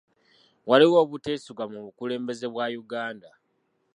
Waliwo obuteesigwa mu bukulembeze bwa Uganda.